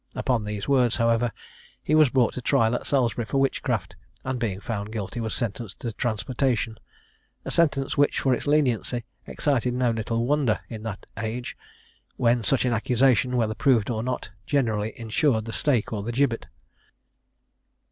Upon these words, however, he was brought to trial at Salisbury for witchcraft; and, being found guilty, was sentenced to transportation; a sentence which, for its leniency, excited no little wonder in that age, when such an accusation, whether proved or not, generally insured the stake or the gibbet.